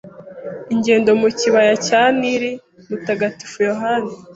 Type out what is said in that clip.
Ingendo mu Kibaya cya Nili Mutagatifu Yohani